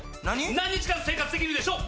何日間生活できるでしょう？